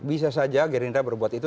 bisa saja gerindra berbuat itu